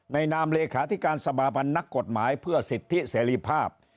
นามเลขาธิการสมาพันธ์นักกฎหมายเพื่อสิทธิเสรีภาพ